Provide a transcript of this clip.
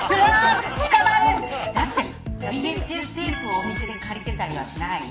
だってＶＨＳテープをお店で借りてたりしない。